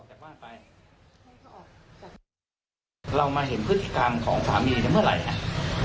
อ่านหลัก๒เนี่ยเราไปเห็นเมื่อไหร่คะว่าได้เข้าไปร่วงละเมิดลูกสุด